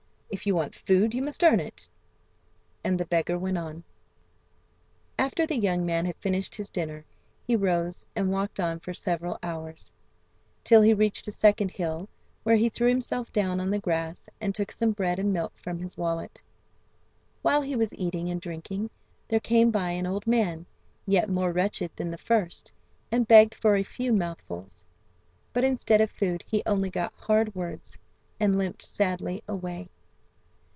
If you want food you must earn it." And the beggar went on. After the young man had finished his dinner he rose and walked on for several hours, till he reached a second hill, where he threw himself down on the grass, and took some bread and milk from his wallet. While he was eating and drinking, there came by an old man, yet more wretched than the first, and begged for a few mouthfuls. But instead of food he only got hard words, and limped sadly away.